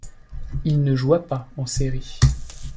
Il ne joua pas en séries.